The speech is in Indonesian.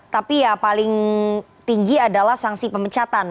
tapi ya paling tinggi adalah sanksi pemecatan